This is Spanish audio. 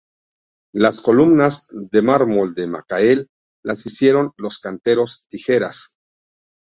Las columnas, de mármol de Macael, las hicieron los canteros Tijeras.